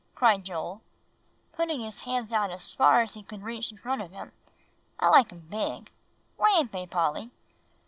cried Joel, putting his hands out as far as he could reach in front of him; "I like 'em big. Why ain't they, Polly?"